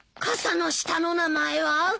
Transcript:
傘の下の名前は？